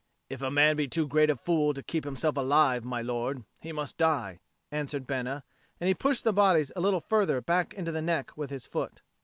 "If a man be too great a fool to keep himself alive, my lord, he must die," answered Bena; and he pushed the bodies a little further back into the neck with his foot.